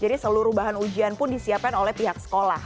jadi seluruh bahan ujian pun disiapkan oleh pihak sekolah